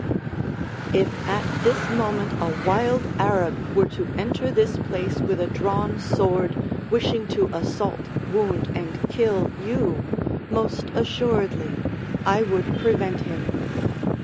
If at this moment a wild Arab were to enter this place with a drawn sword, wishing to assault, wound, and kill you, most assuredly I would prevent him.